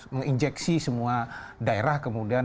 menginjeksi semua daerah kemudian